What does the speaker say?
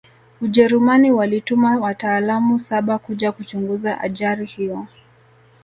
ujerumani walituma wataalamu saba kuja kuchunguza ajari hiyo